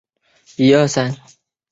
后由兵工厂所铸制。